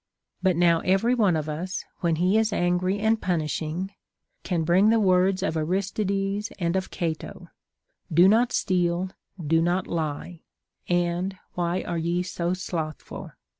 But now every one of us, when he is angry and punishing, can bring the words of Aristides and of Cato : Do not steal, Do not lie, and Why are ye so slothful?